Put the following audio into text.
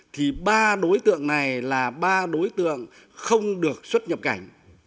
thì ba đối tượng này là ba đối tượng không được xuất nhập cảnh